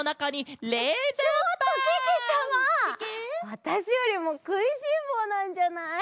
わたしよりもくいしんぼうなんじゃない？